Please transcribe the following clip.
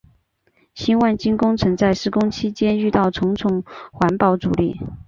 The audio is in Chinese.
新万金工程在施工期间遇到重重环保阻力。